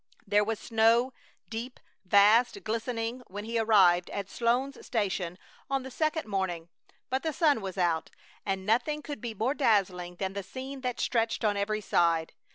There was snow, deep, vast, glistening, when he arrived at Sloan's Station on the second morning, but the sun was out, and nothing could be more dazzling than the scene that stretched on every side.